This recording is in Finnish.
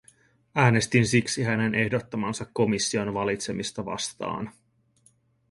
Äänestin siksi hänen ehdottamansa komission valitsemista vastaan.